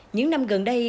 những năm gần đây